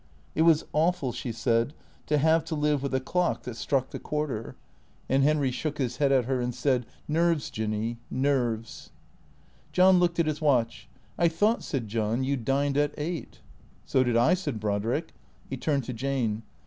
It was awful, she said, to have to live with a clock that struck the 420 T H E C E E A T 0 R S quarter; and Henry shook his head at her and said, " Kerves, Jinny, nerves." John looked at his watch. " I thought," said John, " you dined at eight," " So did I," said Brodrick. He turned to Jane.